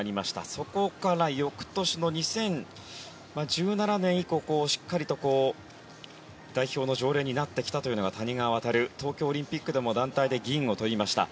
そこから翌年の２０１７年以降しっかりと代表の常連になってきたというのが東京オリンピックでも団体で銀を取りました。